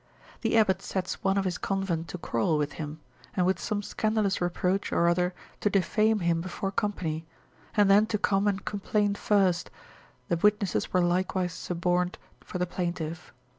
The abbot sets one of his convent to quarrel with him, and with some scandalous reproach or other to defame him before company, and then to come and complain first, the witnesses were likewise suborned for the plaintiff.